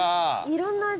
いろんな味？